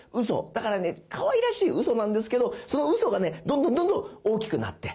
だからねかわいらしい嘘なんですけどその嘘がねどんどんどんどん大きくなって。